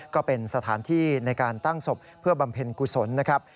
ก็เป็นสถานที่ในการตั้งศพเพื่อบำเพ็ญกุศลนะครับ